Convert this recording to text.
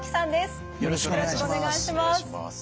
よろしくお願いします。